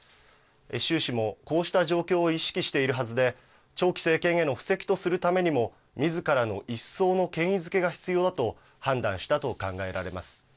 習氏もこうした状況を意識しているはずで、長期政権への布石とするためにも、みずからの一層の権威づけが必要だと、判断したと考えられます。